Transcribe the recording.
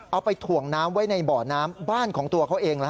เอาไปถ่วงน้ำไว้ในบ่อน้ำบ้านของตัวเขาเอง